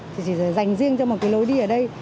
thì chỉ dành riêng cho một cái lối đi ở đây